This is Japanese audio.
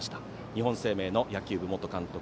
日本生命の野球部元監督